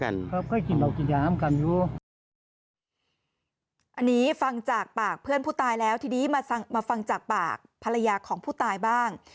อันนี้ฟังจากปากเพื่อนผู้ตายแล้วทีนี้มาฟังจากปากภรรยาของผู้ตายบ้าง